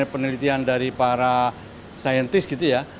penelitian dari para saintis gitu ya